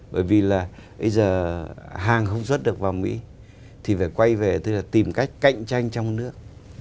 bởi vì là bây giờ hàng không xuất được vào mỹ thì phải quay về tức là tìm cách cạnh tranh trong nước